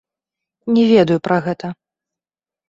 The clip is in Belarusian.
Не ведаю пра гэта.